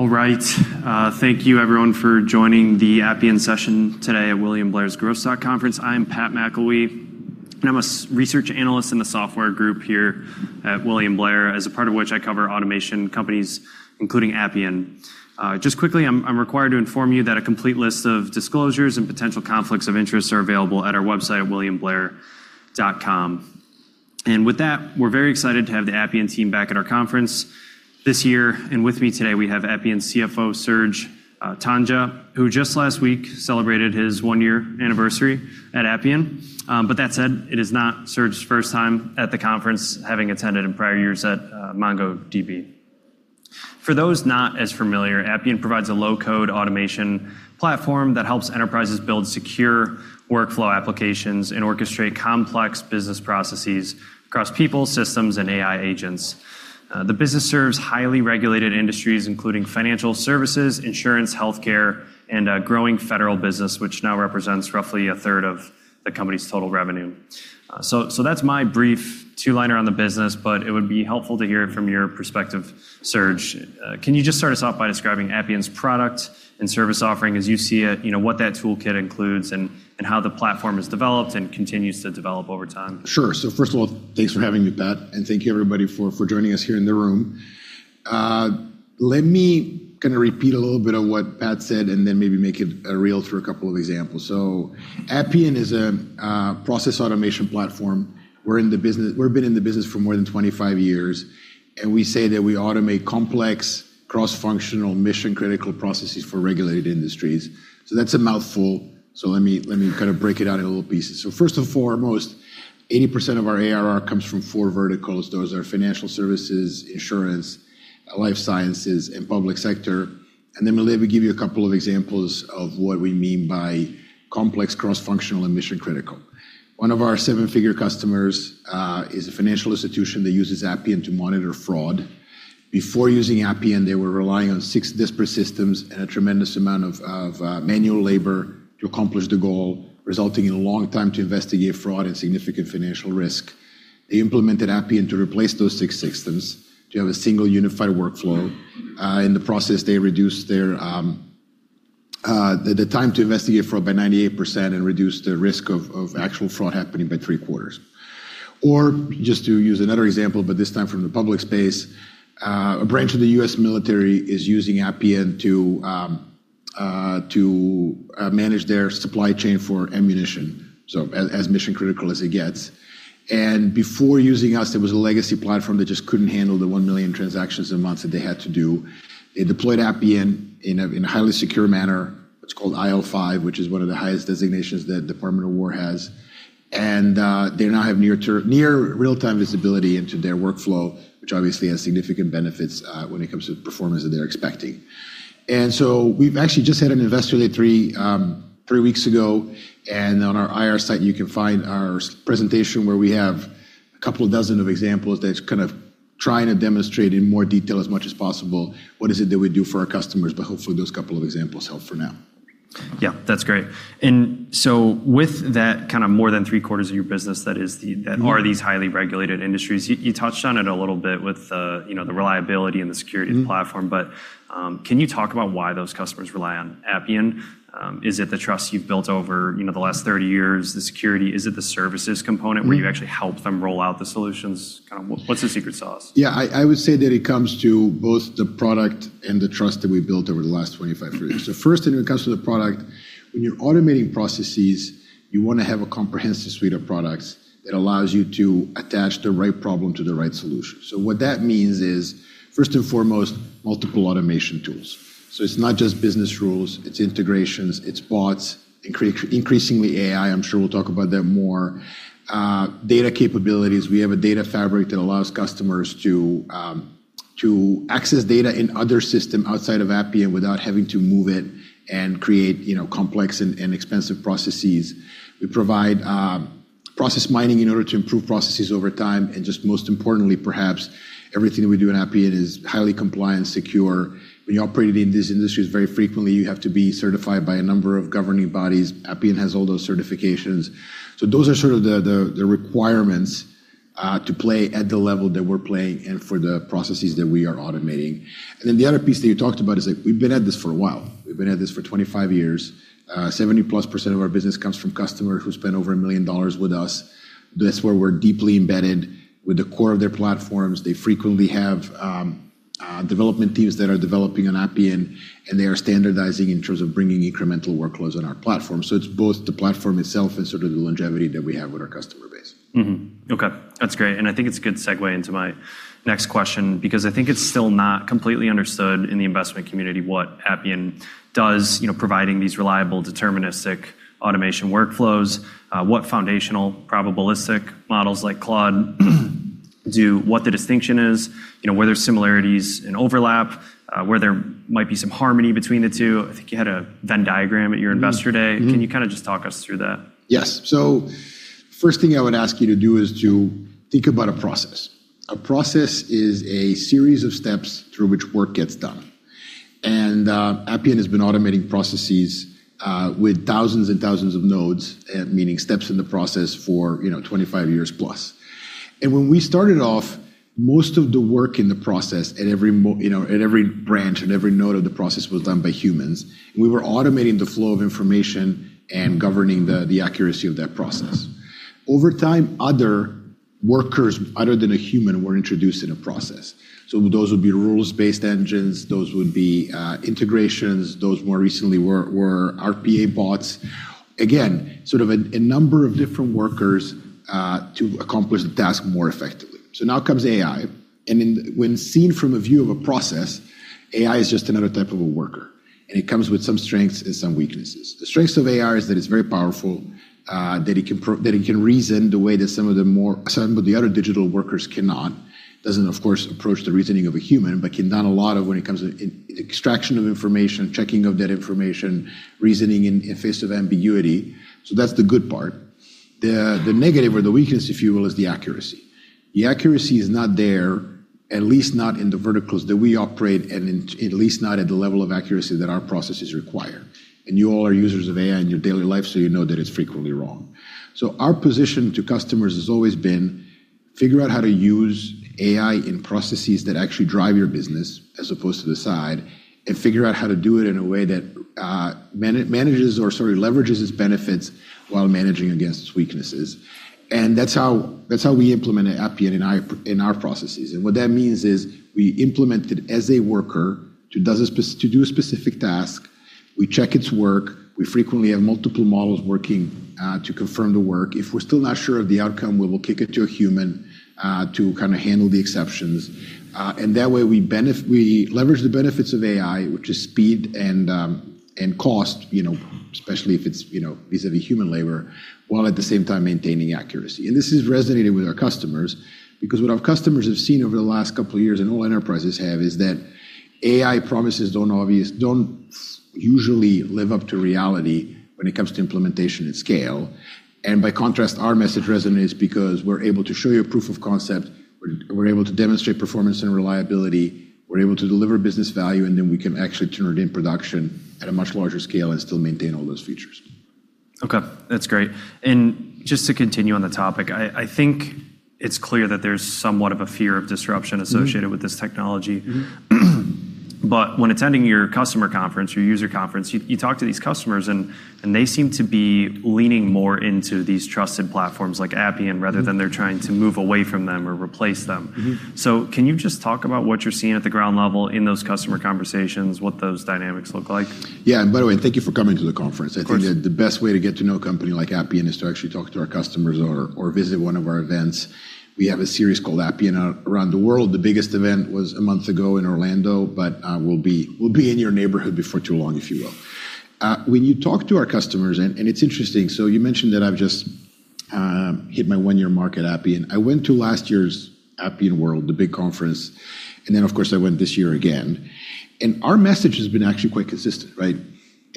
All right. Thank you everyone for joining the Appian session today at William Blair's 46th Annual William Blair Growth Stock Conference. I am Pat Mcllwee, and I'm a research analyst in the software group here at William Blair. As a part of which I cover automation companies, including Appian. Just quickly, I'm required to inform you that a complete list of disclosures and potential conflicts of interest are available at our website, williamblair.com. With that, we're very excited to have the Appian team back at our conference this year. With me today, we have Appian CFO, Serge Tanjga, who just last week celebrated his one-year anniversary at Appian. That said, it is not Serge's first time at the conference, having attended in prior years at MongoDB. For those not as familiar, Appian provides a low-code automation platform that helps enterprises build secure workflow applications and orchestrate complex business processes across people, systems, and AI agents. The business serves highly regulated industries, including financial services, insurance, healthcare, and a growing federal business, which now represents roughly a third of the company's total revenue. That's my brief two-liner on the business, but it would be helpful to hear it from your perspective, Serge. Can you just start us off by describing Appian's product and service offering as you see it, what that toolkit includes, and how the platform has developed and continues to develop over time? Sure. First of all, thanks for having me, Pat, and thank you everybody for joining us here in the room. Let me kind of repeat a little bit of what Pat said and then maybe make it real through a couple of examples. Appian is a process automation platform. We've been in the business for more than 25 years, and we say that we automate complex cross-functional mission-critical processes for regulated industries. That's a mouthful. Let me break it out in little pieces. First and foremost, 80% of our ARR comes from four verticals. Those are financial services, insurance, life sciences, and public sector. Then let me give you a couple of examples of what we mean by complex cross-functional and mission-critical. One of our seven-figure customers is a financial institution that uses Appian to monitor fraud. Before using Appian, they were relying on six disparate systems and a tremendous amount of manual labor to accomplish the goal, resulting in a long time to investigate fraud and significant financial risk. They implemented Appian to replace those six systems, to have a single unified workflow. In the process, they reduced the time to investigate fraud by 98% and reduced the risk of actual fraud happening by three-quarters. Just to use another example, but this time from the public space, a branch of the U.S. Military is using Appian to manage their supply chain for ammunition, so as mission-critical as it gets. Before using us, there was a legacy platform that just couldn't handle the one million transactions a month that they had to do. They deployed Appian in a highly secure manner. It's called IL5, which is one of the highest designations the Department of Defense has. They now have near real-time visibility into their workflow, which obviously has significant benefits when it comes to the performance that they're expecting. We've actually just had an Investor Day three weeks ago, and on our IR site, you can find our presentation where we have a couple of dozen examples that kind of try to demonstrate in more detail as much as possible what is it that we do for our customers. Hopefully those couple of examples help for now. That's great. With that more than three-quarters of your business that are these highly regulated industries, you touched on it a little bit with the reliability and the security of the platform. Can you talk about why those customers rely on Appian? Is it the trust you've built over the last 30 years, the security? Is it the services component where you actually help them roll out the solutions? What's the secret sauce? Yeah, I would say that it comes to both the product and the trust that we've built over the last 25 years. First, when it comes to the product, when you're automating processes, you want to have a comprehensive suite of products that allows you to attach the right problem to the right solution. What that means is, first and foremost, multiple automation tools. It's not just business rules, it's integrations, it's bots, increasingly AI. I'm sure we'll talk about that more. Data capabilities. We have a Data Fabric that allows customers to access data in other systems outside of Appian without having to move it and create complex and expensive processes. We provide Process Mining in order to improve processes over time. Just most importantly perhaps, everything that we do in Appian is highly compliant, secure. When you operate in these industries, very frequently, you have to be certified by a number of governing bodies. Appian has all those certifications. Those are sort of the requirements to play at the level that we're playing and for the processes that we are automating. The other piece that you talked about is that we've been at this for a while. We've been at this for 25 years. 70%-plus of our business comes from customers who spend over $1 million with us. That's where we're deeply embedded with the core of their platforms. They frequently have development teams that are developing on Appian, and they are standardizing in terms of bringing incremental workloads on our platform. It's both the platform itself and sort of the longevity that we have with our customer base. Okay. That's great. I think it's a good segue into my next question because I think it's still not completely understood in the investment community what Appian does, providing these reliable, deterministic automation workflows. What foundational probabilistic models like Claude do, what the distinction is, where there's similarities and overlap, where there might be some harmony between the two. I think you had a Venn diagram at your Investor Day. Can you kind of just talk us through that? Yes. First thing I would ask you to do is to think about a process. A process is a series of steps through which work gets done. Appian has been automating processes. With thousands and thousands of nodes, meaning steps in the process for 25 years plus. When we started off, most of the work in the process at every branch, at every node of the process was done by humans. We were automating the flow of information and governing the accuracy of that process. Over time, other workers, other than a human, were introduced in a process. Those would be rules-based engines, those would be integrations, those more recently were RPA bots. Again, sort of a number of different workers to accomplish the task more effectively. Now comes AI. When seen from a view of a process, AI is just another type of a worker, and it comes with some strengths and some weaknesses. The strengths of AI is that it's very powerful, that it can reason the way that some of the other digital workers cannot. Doesn't, of course, approach the reasoning of a human, but can do a lot of when it comes to extraction of information, checking of that information, reasoning in face of ambiguity. That's the good part. The negative or the weakness, if you will, is the accuracy. The accuracy is not there, at least not in the verticals that we operate, and at least not at the level of accuracy that our processes require. You all are users of AI in your daily life, so you know that it's frequently wrong. Our position to customers has always been, figure out how to use AI in processes that actually drive your business as opposed to the side, and figure out how to do it in a way that manages or sort of leverages its benefits while managing against its weaknesses. That's how we implement it at Appian in our processes. What that means is we implement it as a worker to do a specific task. We check its work. We frequently have multiple models working to confirm the work. If we're still not sure of the outcome, we will kick it to a human to handle the exceptions. That way, we leverage the benefits of AI, which is speed and cost, especially if it's vis-a-vis human labor, while at the same time maintaining accuracy. This has resonated with our customers, because what our customers have seen over the last couple of years, and all enterprises have, is that AI promises don't usually live up to reality when it comes to implementation and scale. By contrast, our message resonates because we're able to show you a proof of concept. We're able to demonstrate performance and reliability. We're able to deliver business value, and then we can actually turn it in production at a much larger scale and still maintain all those features. Okay, that's great. Just to continue on the topic, I think it's clear that there's somewhat of a fear of disruption associated with this technology. When attending your customer conference, your user conference, you talk to these customers and they seem to be leaning more into these trusted platforms like Appian, rather than they're trying to move away from them or replace them. Can you just talk about what you're seeing at the ground level in those customer conversations, what those dynamics look like? Yeah. By the way, thank you for coming to the conference. Of course. I think that the best way to get to know a company like Appian is to actually talk to our customers or visit one of our events. We have a series called Appian Around the World. The biggest event was a month ago in Orlando. We'll be in your neighborhood before too long, if you will. When you talk to our customers, it's interesting. You mentioned that I've just hit my one-year mark at Appian. I went to last year's Appian World, the big conference. Of course I went this year again. Our message has been actually quite consistent, right?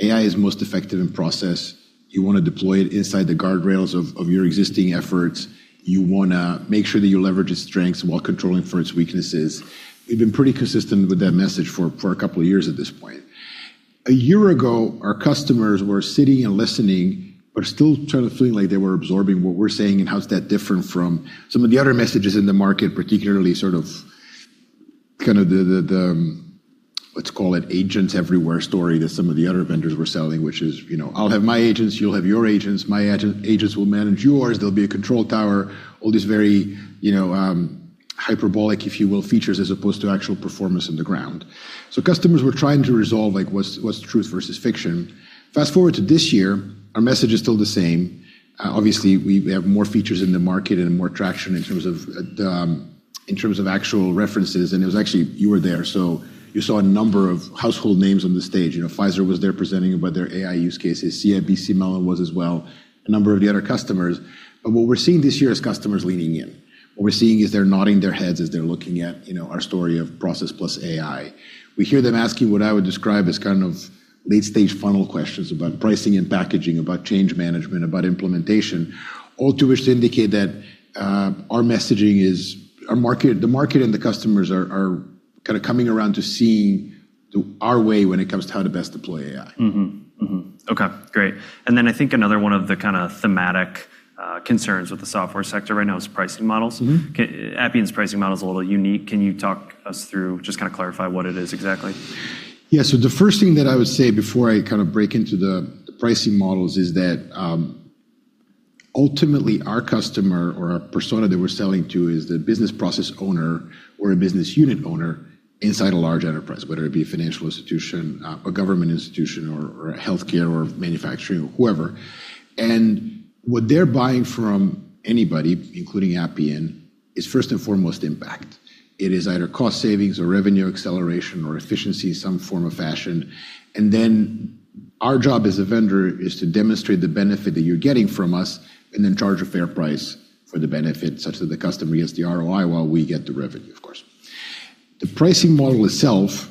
AI is most effective in process. You want to deploy it inside the guardrails of your existing efforts. You want to make sure that you leverage its strengths while controlling for its weaknesses. We've been pretty consistent with that message for a couple of years at this point. A year ago, our customers were sitting and listening, but still sort of feeling like they were absorbing what we're saying and how's that different from some of the other messages in the market, particularly sort of, let's call it agents everywhere story that some of the other vendors were selling, which is, "I'll have my agents, you'll have your agents. My agents will manage yours. There'll be a control tower." All these very hyperbolic, if you will, features as opposed to actual performance on the ground. Customers were trying to resolve what's truth versus fiction. Fast-forward to this year, our message is still the same. Obviously, we have more features in the market and more traction in terms of actual references. It was actually, you were there, so you saw a number of household names on the stage. Pfizer was there presenting about their AI use cases. CIBC Mellon was as well, a number of the other customers. What we're seeing this year is customers leaning in. What we're seeing is they're nodding their heads as they're looking at our story of process plus AI. We hear them asking what I would describe as kind of late-stage funnel questions about pricing and packaging, about change management, about implementation. All to which to indicate that our messaging is, the market and the customers are kind of coming around to seeing our way when it comes to how to best deploy AI. Mm-hmm. Okay, great. I think another one of the kind of thematic concerns with the software sector right now is pricing models. Appian's pricing model is a little unique. Can you talk us through, just kind of clarify what it is exactly? The first thing that I would say before I kind of break into the pricing models is that ultimately, our customer or our persona that we're selling to is the business process owner or a business unit owner inside a large enterprise, whether it be a financial institution, a government institution, or a healthcare or manufacturing or whoever. What they're buying from anybody, including Appian, is first and foremost impact. It is either cost savings or revenue acceleration or efficiency, some form or fashion. Our job as a vendor is to demonstrate the benefit that you're getting from us and then charge a fair price for the benefit, such that the customer gets the ROI while we get the revenue, of course. The pricing model itself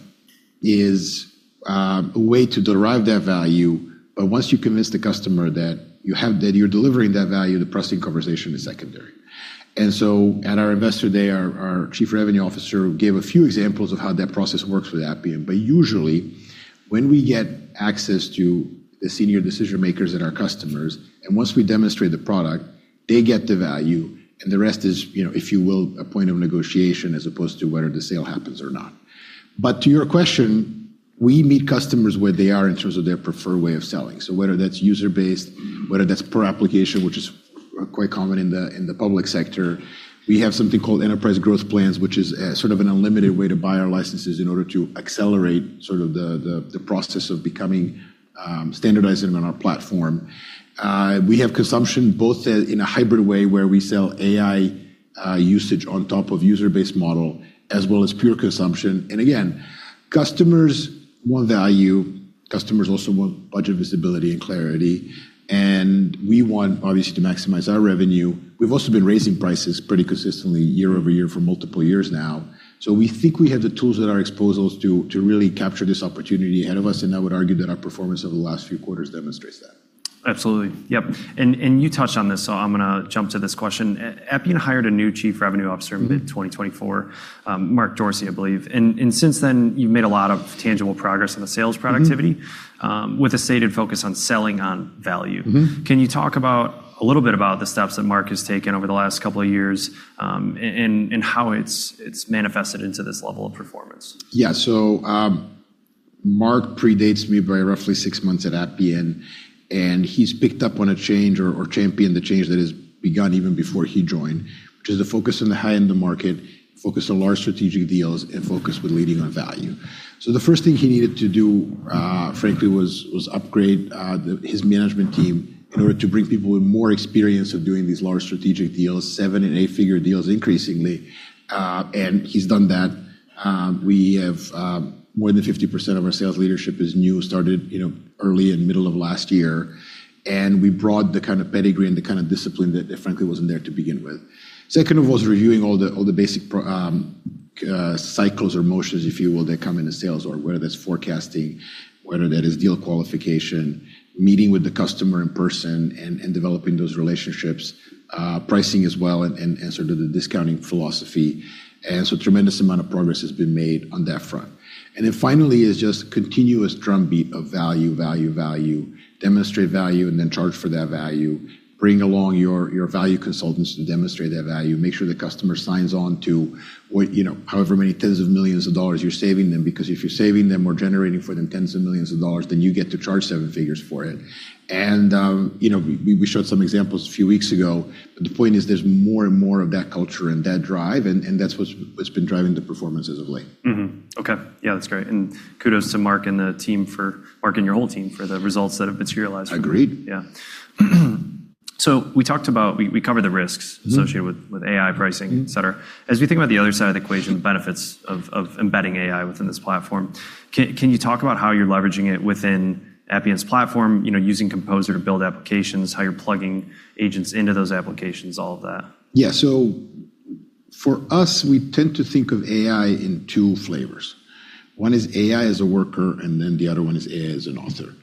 is a way to derive that value. Once you convince the customer that you're delivering that value, the pricing conversation is secondary. At our Investor Day, our Chief Revenue Officer gave a few examples of how that process works with Appian. Usually, when we get access to the senior decision-makers and our customers, and once we demonstrate the product, they get the value, and the rest is, if you will, a point of negotiation as opposed to whether the sale happens or not. To your question, we meet customers where they are in terms of their preferred way of selling. Whether that's user-based, whether that's per application, which is quite common in the public sector. We have something called Appian Success Plans, which is sort of an unlimited way to buy our licenses in order to accelerate sort of the process of becoming standardized on our platform. We have consumption both in a hybrid way where we sell AI usage on top of user-based model as well as pure consumption. Again, customers want value. Customers also want budget visibility and clarity, and we want, obviously, to maximize our revenue. We've also been raising prices pretty consistently year-over-year for multiple years now. We think we have the tools at our disposals to really capture this opportunity ahead of us, and I would argue that our performance over the last few quarters demonstrates that. Absolutely. Yep. You touched on this, I'm going to jump to this question. Appian hired a new Chief Revenue Officer mid-2024, Mark Dorsey, I believe. Since then, you've made a lot of tangible progress in the sales productivity with a stated focus on selling on value. Can you talk a little bit about the steps that Mark has taken over the last couple of years, and how it's manifested into this level of performance? Yeah. Mark predates me by roughly six months at Appian, and he's picked up on a change or championed the change that has begun even before he joined, which is the focus on the high end of market, focus on large strategic deals, and focus with leading on value. The first thing he needed to do, frankly, was upgrade his management team in order to bring people with more experience of doing these large strategic deals, seven and eight-figure deals increasingly. He's done that. More than 50% of our sales leadership is new, started early and middle of last year, and we brought the kind of pedigree and the kind of discipline that frankly wasn't there to begin with. Second was reviewing all the basic cycles or motions, if you will, that come into sales, or whether that's forecasting, whether that is deal qualification, meeting with the customer in person and developing those relationships. Pricing as well, and sort of the discounting philosophy. Tremendous amount of progress has been made on that front. Finally is just continuous drumbeat of value, value. Demonstrate value and then charge for that value. Bring along your value consultants to demonstrate that value. Make sure the customer signs on to however many tens of millions of dollars you're saving them, because if you're saving them or generating for them tens of millions of dollars, then you get to charge seven figures for it. We showed some examples a few weeks ago, but the point is there's more and more of that culture and that drive, and that's what's been driving the performance as of late. Okay. Yeah, that's great. Kudos to Mark and your whole team for the results that have materialized. Agreed. We covered the risks associated with AI pricing, et cetera. As we think about the other side of the equation, benefits of embedding AI within this platform, can you talk about how you're leveraging it within Appian's platform, using Composer to build applications, how you're plugging agents into those applications, all of that? Yeah. For us, we tend to think of AI in two flavors. One is AI as a worker, and then the other one is AI as an author.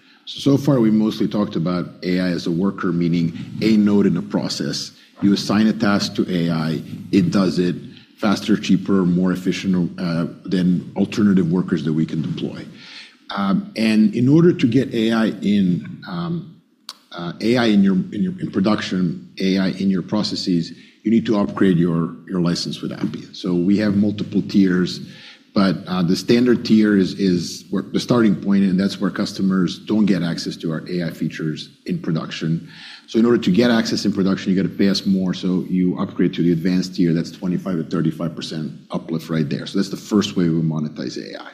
Far, we mostly talked about AI as a worker, meaning a node in a process. You assign a task to AI, it does it faster, cheaper, more efficient than alternative workers that we can deploy. In order to get AI in production, AI in your processes, you need to upgrade your license with Appian. We have multiple tiers, but the standard tier is the starting point, and that's where customers don't get access to our AI features in production. In order to get access in production, you got to pay us more. You upgrade to the advanced tier, that's 25%-35% uplift right there. That's the first way we monetize AI.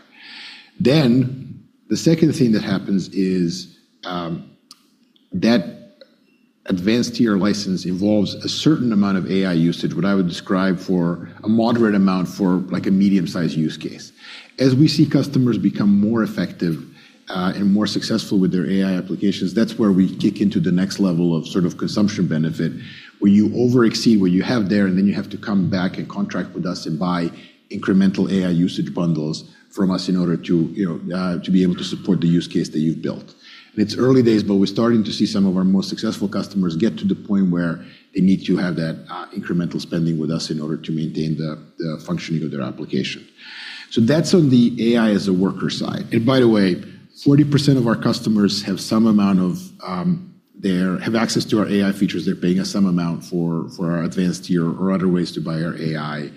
The second thing that happens is that advanced tier license involves a certain amount of AI usage, what I would describe a moderate amount for a medium-sized use case. As we see customers become more effective and more successful with their AI applications, that's where we kick into the next level of consumption benefit, where you over-exceed what you have there, and then you have to come back and contract with us and buy incremental AI usage bundles from us in order to be able to support the use case that you've built. It's early days, but we're starting to see some of our most successful customers get to the point where they need to have that incremental spending with us in order to maintain the functioning of their application. That's on the AI as a worker side. By the way, 40% of our customers have access to our AI features. They're paying us some amount for our advanced tier or other ways to buy our AI.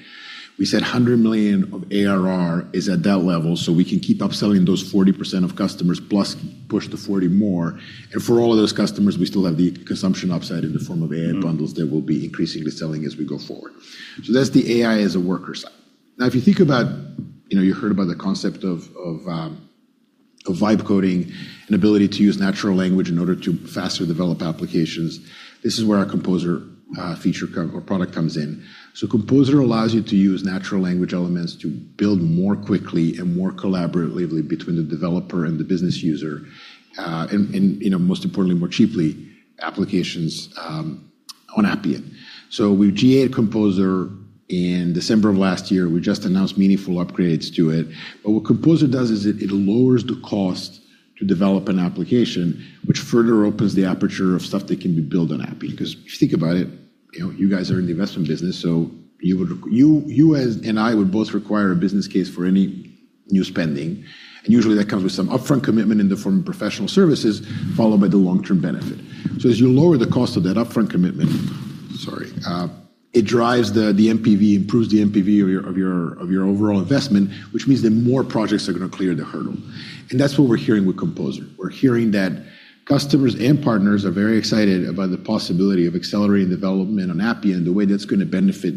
We said $100 million of ARR is at that level, so we can keep upselling those 40% of customers, plus push to 40 more. For all of those customers, we still have the consumption upside in the form of AI bundles that we'll be increasingly selling as we go forward. That's the AI as a worker side. Now, if you think about, you heard about the concept of vibe coding and ability to use natural language in order to faster develop applications. This is where our Composer feature or product comes in. Composer allows you to use natural language elements to build more quickly and more collaboratively between the developer and the business user, and most importantly, more cheaply, applications on Appian. We GA'd Composer in December of last year. We just announced meaningful upgrades to it. What Composer does is it lowers the cost to develop an application, which further opens the aperture of stuff that can be built on Appian. If you think about it, you guys are in the investment business, so you and I would both require a business case for any new spending. Usually that comes with some upfront commitment in the form of professional services, followed by the long-term benefit. As you lower the cost of that upfront commitment, it drives the NPV, improves the NPV of your overall investment, which means that more projects are going to clear the hurdle. That's what we're hearing with Composer. We're hearing that customers and partners are very excited about the possibility of accelerating development on Appian. The way that's going to benefit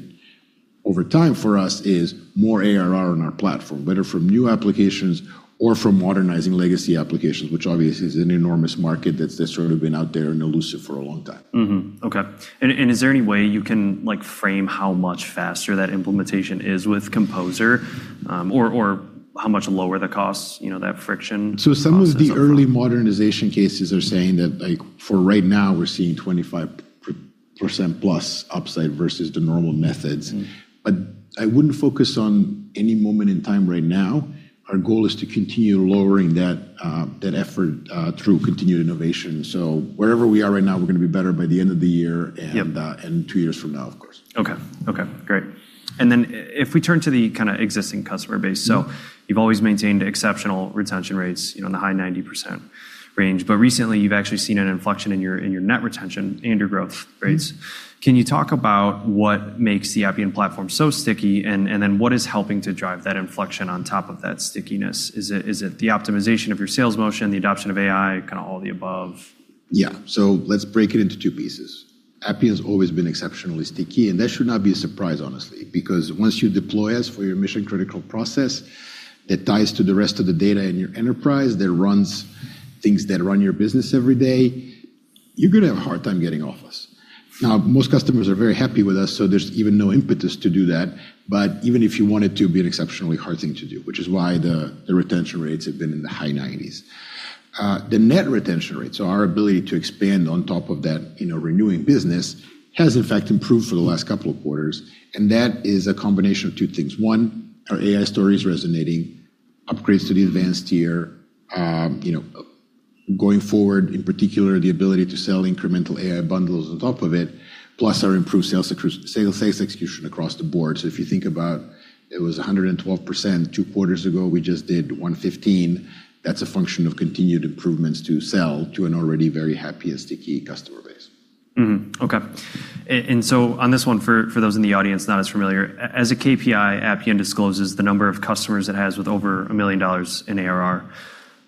over time for us is more ARR on our platform, whether from new applications or from modernizing legacy applications, which obviously is an enormous market that's sort of been out there and elusive for a long time. Okay. Is there any way you can frame how much faster that implementation is with Composer? Or how much lower the costs, that friction? Some of the early modernization cases are saying that for right now, we're seeing 25% plus upside versus the normal methods. I wouldn't focus on any moment in time right now. Our goal is to continue lowering that effort through continued innovation. Wherever we are right now, we're going to be better by the end of the year. Yep Two years from now, of course. Okay. Great. If we turn to the existing customer base. You've always maintained exceptional retention rates in the high 90% range, but recently you've actually seen an inflection in your net retention and your growth rates. Can you talk about what makes the Appian platform so sticky, what is helping to drive that inflection on top of that stickiness? The optimization of your sales motion, the adoption of AI, kind of all the above? Let's break it into two pieces. Appian's always been exceptionally sticky, and that should not be a surprise, honestly, because once you deploy us for your mission-critical process that ties to the rest of the data in your enterprise, that runs things that run your business every day, you're going to have a hard time getting off us. Now, most customers are very happy with us, so there's even no impetus to do that. Even if you wanted to, it'd be an exceptionally hard thing to do, which is why the retention rates have been in the high 90s. The net retention rates, so our ability to expand on top of that renewing business, has, in fact, improved for the last couple of quarters, and that is a combination of two things. One, our AI story is resonating, upgrades to the advanced tier, going forward, in particular, the ability to sell incremental AI bundles on top of it, plus our improved sales execution across the board. If you think about it was 112% two quarters ago. We just did 115%. That's a function of continued improvements to sell to an already very happy and sticky customer base. Mm-hmm. Okay. On this one, for those in the audience not as familiar, as a KPI, Appian discloses the number of customers it has with over $1 million in ARR.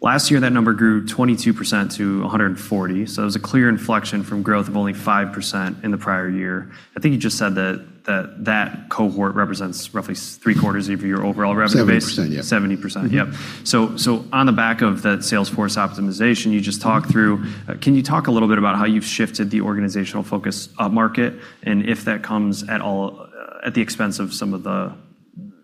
Last year, that number grew 22% to 140, so it was a clear inflection from growth of only 5% in the prior year. I think you just said that cohort represents roughly 3/4 of your overall revenue base. 70%, yep. 70%. Yep. On the back of that sales force optimization you just talked through, can you talk a little bit about how you've shifted the organizational focus upmarket, and if that comes at all at the expense of some of the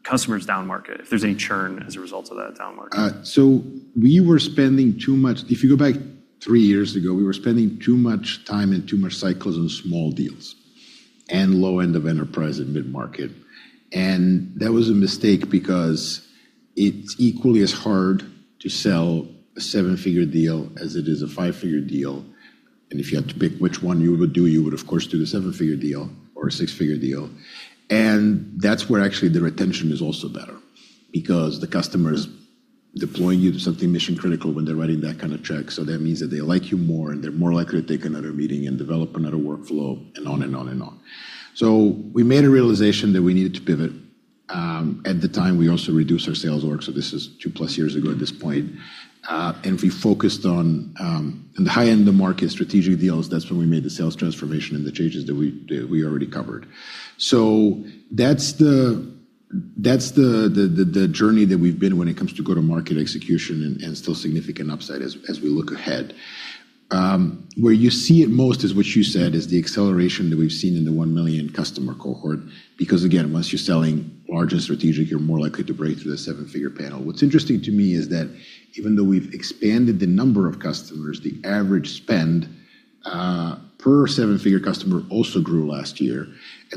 customers downmarket, if there's any churn as a result of that downmarket? We were spending too much. If you go back three years ago, we were spending too much time and too many cycles on small deals and low end of enterprise and mid-market. That was a mistake because it's equally as hard to sell a seven-figure deal as it is a five-figure deal, and if you had to pick which one you would do, you would, of course, do the seven-figure deal or a six-figure deal. That's where actually the retention is also better because the customer's deploying you to something mission-critical when they're writing that kind of check. That means that they like you more, and they're more likely to take another meeting and develop another workflow, and on and on and on. We made a realization that we needed to pivot. At the time, we also reduced our sales org, this is 2+ years ago at this point. We focused on the high end of market strategic deals. That's when we made the sales transformation and the changes that we already covered. That's the journey that we've been on when it comes to go-to-market execution and still significant upside as we look ahead. Where you see it most is what you said, is the acceleration that we've seen in the $1 million customer cohort. Again, once you're selling large and strategic, you're more likely to break through the seven-figure panel. What's interesting to me is that even though we've expanded the number of customers, the average spend per seven-figure customer also grew last year.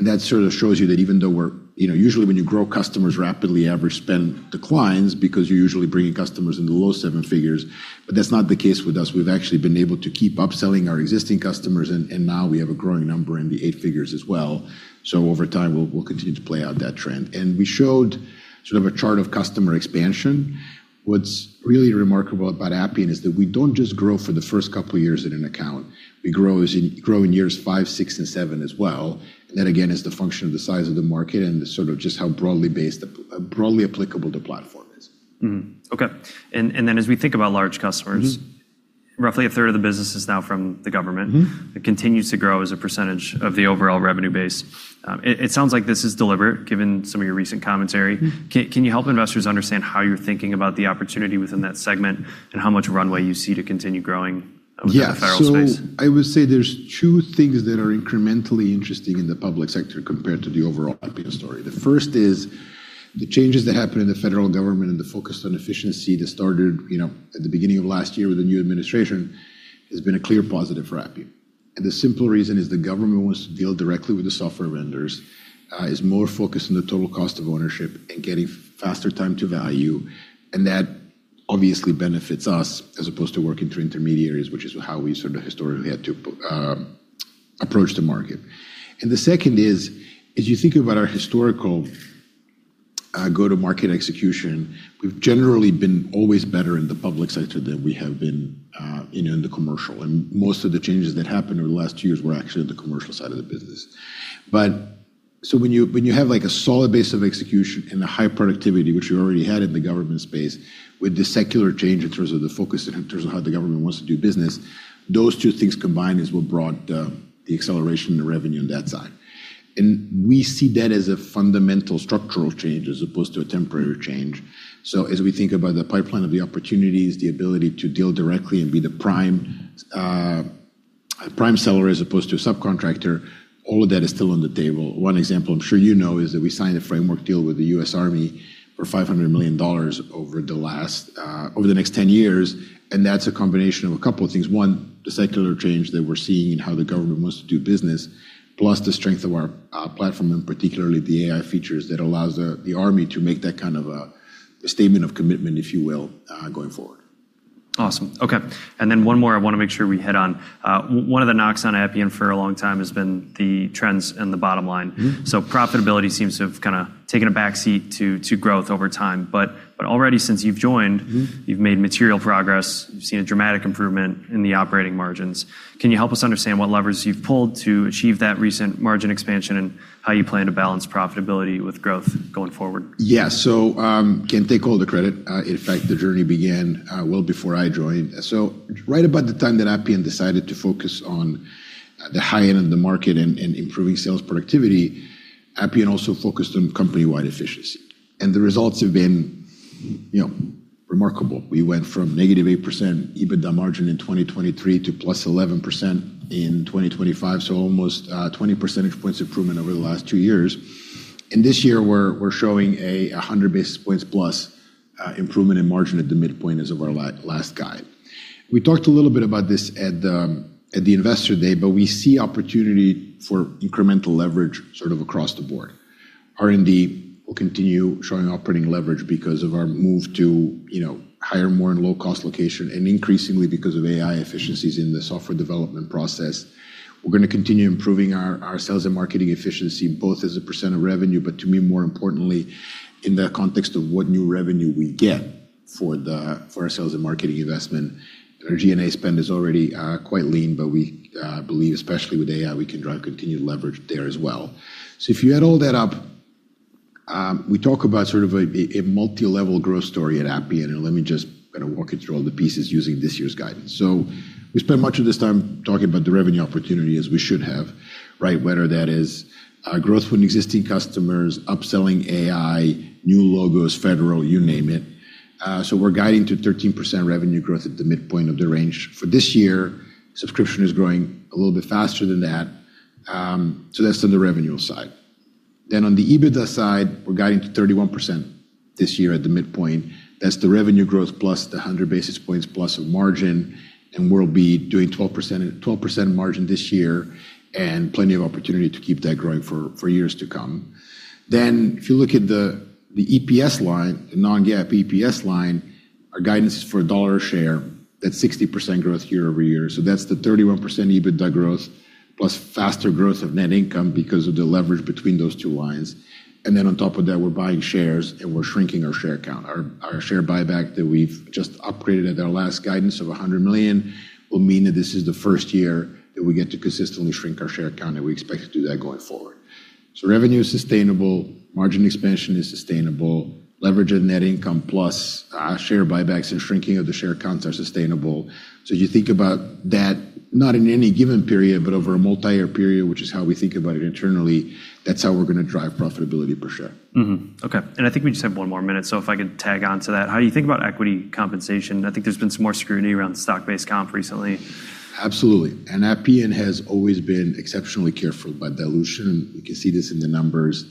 That sort of shows you that even though usually when you grow customers rapidly, average spend declines because you're usually bringing customers in the low seven figures. That's not the case with us. We've actually been able to keep upselling our existing customers. Now we have a growing number in the eight figures as well. Over time, we'll continue to play out that trend. We showed sort of a chart of customer expansion. What's really remarkable about Appian is that we don't just grow for the first couple of years in an account. We grow in years five, six, and seven as well. That, again, is the function of the size of the market and the sort of just how broadly applicable the platform is. Okay. as we think about large customers. Roughly 1/3 of the business is now from the government. It continues to grow as a percentage of the overall revenue base. It sounds like this is deliberate, given some of your recent commentary. Can you help investors understand how you're thinking about the opportunity within that segment and how much runway you see to continue growing within the federal space? I would say there's two things that are incrementally interesting in the public sector compared to the overall Appian story. The first is the changes that happened in the federal government and the focus on efficiency that started at the beginning of last year with the new administration has been a clear positive for Appian. The simple reason is the government wants to deal directly with the software vendors, is more focused on the total cost of ownership, and getting faster time to value, and that obviously benefits us as opposed to working through intermediaries, which is how we sort of historically had to approach to market. The second is, as you think about our historical go-to-market execution, we've generally been always better in the public sector than we have been in the commercial. Most of the changes that happened over the last two years were actually on the commercial side of the business. When you have a solid base of execution and a high productivity, which we already had in the government space, with the secular change in terms of the focus, in terms of how the government wants to do business, those two things combined is what brought the acceleration in the revenue on that side. We see that as a fundamental structural change as opposed to a temporary change. As we think about the pipeline of the opportunities, the ability to deal directly and be the prime seller as opposed to a subcontractor, all of that is still on the table. One example I'm sure you know is that we signed a framework deal with the US Army for $500 million over the next 10 years, and that's a combination of a couple of things. One, the secular change that we're seeing in how the government wants to do business, plus the strength of our platform, and particularly the AI features that allows the Army to make that kind of a statement of commitment, if you will, going forward. Awesome. Okay. One more I want to make sure we hit on. One of the knocks on Appian for a long time has been the trends in the bottom line. Profitability seems to have kind of taken a back seat to growth over time. Already since you've joined you've made material progress. We've seen a dramatic improvement in the operating margins. Can you help us understand what levers you've pulled to achieve that recent margin expansion and how you plan to balance profitability with growth going forward? Yeah. Can't take all the credit. In fact, the journey began well before I joined. Right about the time that Appian decided to focus on the high end of the market and improving sales productivity, Appian also focused on company-wide efficiency. The results have been remarkable. We went from -8% EBITDA margin in 2023 to +11% in 2025. Almost 20 percentage points improvement over the last two years. This year, we're showing a 100 basis points plus improvement in margin at the midpoint as of our last guide. We talked a little bit about this at the Investor Day, but we see opportunity for incremental leverage sort of across the board. R&D will continue showing operating leverage because of our move to hire more in low-cost location, and increasingly because of AI efficiencies in the software development process. We're going to continue improving our sales and marketing efficiency, both as a percent of revenue, but to me, more importantly, in the context of what new revenue we get for our sales and marketing investment. Our G&A spend is already quite lean, but we believe, especially with AI, we can drive continued leverage there as well. If you add all that up, we talk about sort of a multilevel growth story at Appian, and let me just kind of walk you through all the pieces using this year's guidance. We spent much of this time talking about the revenue opportunity as we should have, right? Whether that is growth from existing customers, upselling AI, new logos, federal, you name it. We're guiding to 13% revenue growth at the midpoint of the range. For this year, subscription is growing a little bit faster than that. That's on the revenue side. On the EBITDA side, we're guiding to 31% this year at the midpoint. That's the revenue growth plus the 100 basis points plus of margin, and we'll be doing 12% margin this year and plenty of opportunity to keep that growing for years to come. If you look at the EPS line, the non-GAAP EPS line, our guidance is for $1 a share. That's 60% growth year-over-year. That's the 31% EBITDA growth, plus faster growth of net income because of the leverage between those two lines. On top of that, we're buying shares and we're shrinking our share count. Our share buyback that we've just upgraded at our last guidance of $100 million will mean that this is the first year that we get to consistently shrink our share count, and we expect to do that going forward. Revenue is sustainable, margin expansion is sustainable, leverage of net income plus our share buybacks and shrinking of the share counts are sustainable. You think about that, not in any given period, but over a multi-year period, which is how we think about it internally. That's how we're going to drive profitability per share. Okay. I think we just have one more minute, so if I could tag on to that. How do you think about equity compensation? I think there's been some more scrutiny around stock-based comp recently. Absolutely. Appian has always been exceptionally careful about dilution. You can see this in the numbers.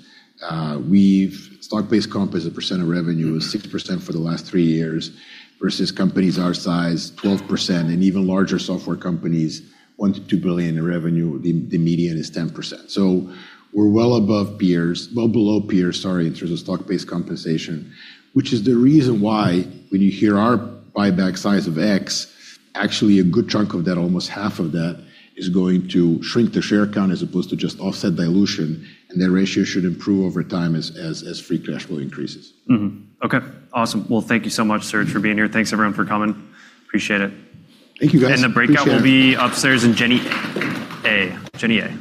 Stock-based comp as a percent of revenue is 6% for the last three years, versus companies our size, 12%, and even larger software companies, $1 billion-$2 billion in revenue, the median is 10%. We're well above peers, well below peers, sorry, in terms of stock-based compensation. Which is the reason why when you hear our buyback size of X, actually a good chunk of that, almost half of that, is going to shrink the share count as opposed to just offset dilution, and that ratio should improve over time as free cash flow increases. Okay. Awesome. Well, thank you so much, Serge, for being here. Thanks everyone for coming. Appreciate it. Thank you, guys. Appreciate it. The breakout will be upstairs in Jenny A.